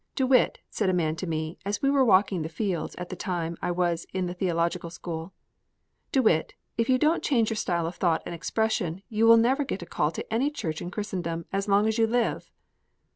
"DeWitt," said a man to me as we were walking the fields at the time I was in the theological school, "DeWitt, if you don't change your style of thought and expression, you will never get a call to any church in Christendom as long as you live."